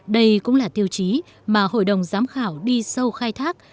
đây cũng là tiêu chí mà hội đồng giám khảo đi sâu khai thác